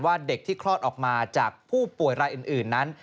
เด็กที่คลอดออกมาจากผู้ป่วยรายอื่นนั้น